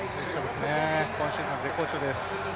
今シーズン、絶好調です。